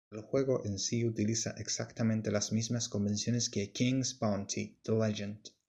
El juego en sí utiliza exactamente las mismas convenciones que "King's Bounty: The Legend".